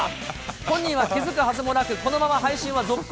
本人は気付くはずもなく、このまま配信は続行。